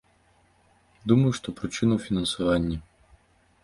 Думаю, што прычына ў фінансаванні.